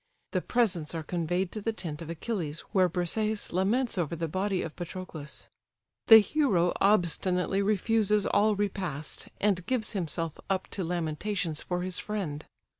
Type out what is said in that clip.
The presents are conveyed to the tent of Achilles, where Briseïs laments over the body of Patroclus. The hero obstinately refuses all repast, and gives himself up to lamentations for his friend.